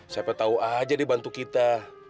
siapa tau aja dia bantu kita